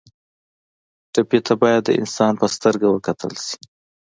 ټپي ته باید د انسان په سترګه وکتل شي.